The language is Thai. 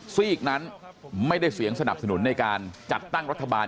ซีกนั้นไม่ได้เสียงสนับสนุนในการจัดตั้งรัฐบาล